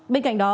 bên cạnh đó